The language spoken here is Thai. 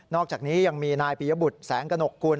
อกจากนี้ยังมีนายปียบุตรแสงกระหนกกุล